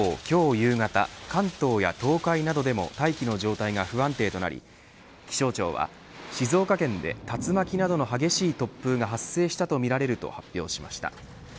夕方関東や東海などでも大気の状態が不安定となり気象庁は静岡県で竜巻などの激しい突風が発生したとみられると発表しました。